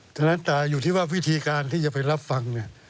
ฉะนั้นแต่อยู่ที่ว่าวิธีการที่จะไปรับฟังเนี่ย